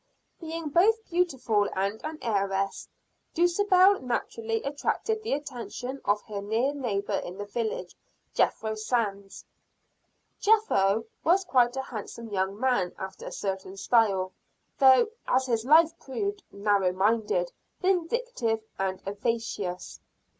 Being both beautiful and an heiress, Dulcibel naturally attracted the attention of her near neighbor in the village, Jethro Sands. Jethro was quite a handsome young man after a certain style, though, as his life proved, narrow minded, vindictive and avaricious.